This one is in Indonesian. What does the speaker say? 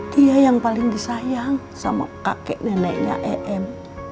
dia yang paling disayang sama kakek neneknya em